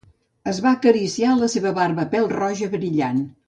Es va acariciar la seva barba pèl-roja brillant.